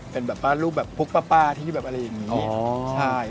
เป็นรูปแบบพวกป้าป้าที่แบบอะไรอย่างนี้